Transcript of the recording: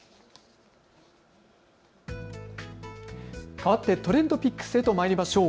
かわってＴｒｅｎｄＰｉｃｋｓへとまいりましょう。